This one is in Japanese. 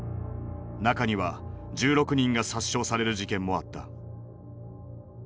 中には１６人が殺傷される事件もあった。